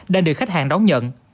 đang được khách hàng đón nhận